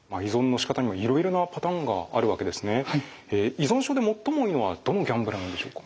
依存症で最も多いのはどのギャンブルなんでしょうか？